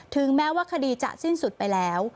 ถึงแม้ว่าคดีจะสิ้นสุดไปแล้ว